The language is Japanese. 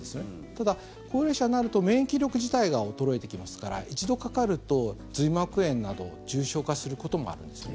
ただ、高齢者になると免疫力自体が衰えてきますから一度かかると髄膜炎など重症化することもあるんです。